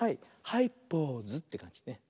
「はいポーズ」ってかんじね。